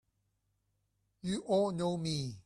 You all know me!